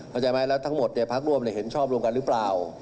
เข้าใจไหมแล้วทั้งหมดพักร่วมเห็นชอบรวมกันหรือเปล่า